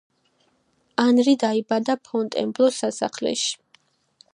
ანრი დაიბადა ფონტენბლოს სასახლეში.